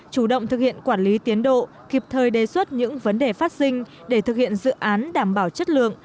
chủ động thực hiện quản lý tiến độ kịp thời đề xuất những vấn đề phát sinh để thực hiện dự án đảm bảo chất lượng